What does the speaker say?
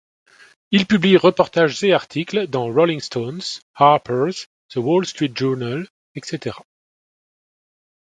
Il publie reportages et articles dans Rolling Stones, Harper's, The Wall Street Journal, etc.